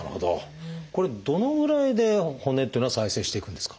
これどのぐらいで骨っていうのは再生していくんですか？